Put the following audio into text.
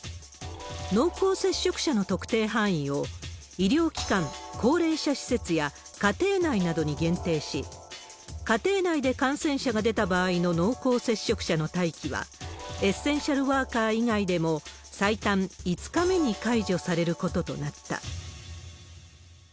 濃厚接触者の特定範囲を医療機関、高齢者施設や家庭内などに限定し、家庭内で感染者が出た場合の濃厚接触者の待機は、エッセンシャルワーカー以外でも最短５日目に解除されることとなった。